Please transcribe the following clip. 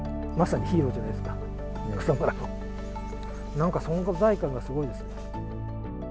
なんか存在感がすごいですよね。